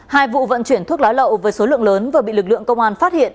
hai vụ vận chuyển thuốc lá lậu với số lượng lớn vừa bị lực lượng công an phát hiện